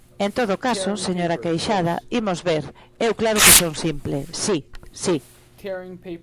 En todo caso, señora Queixada, imos ver, eu claro que son simple, si, si.